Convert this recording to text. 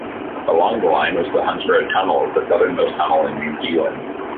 Along the line was the Hunts Road tunnel, the southernmost tunnel in New Zealand.